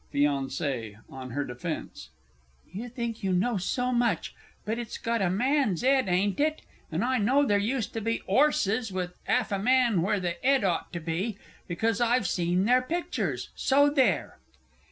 FIANCÉE (on her defence). You think you know so much but it's got a man's 'ed, ain't it? and I know there used to be 'orses with 'alf a man where the 'ed ought to be, because I've seen their pictures so there!